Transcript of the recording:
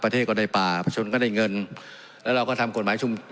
ก็ได้ป่าประชนก็ได้เงินแล้วเราก็ทำกฎหมายชุม